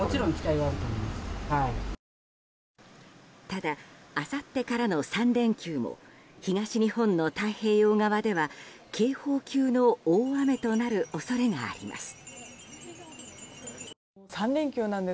ただ、あさってからの３連休も東日本の太平洋側では警報級の大雨となる恐れがあります。